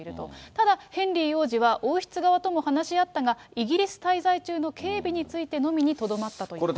ただヘンリー王子は王室側とも話し合ったが、イギリス滞在中の警備についてのみにとどまったということです。